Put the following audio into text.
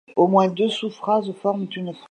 Au moins deux sous-phrases forment une phrase.